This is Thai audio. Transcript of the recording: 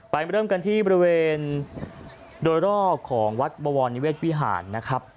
เริ่มกันที่บริเวณโดยรอบของวัดบวรนิเวศวิหารนะครับ